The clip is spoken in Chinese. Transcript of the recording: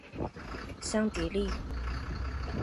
桑蒂利。